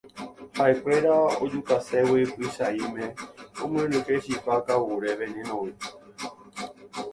Ha'ekuéra ojukaségui Pychãime omyenyhẽ chipa kavure veneno-gui